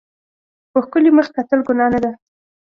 په ښکلي مخ کتل ګناه نه ده.